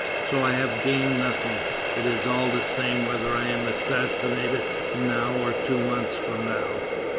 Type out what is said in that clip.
So I have gained nothing; it is all the same whether I am assassinated now or two months from now!"